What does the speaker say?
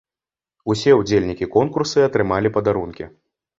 Усе ўдзельнікі конкурсы атрымалі падарункі.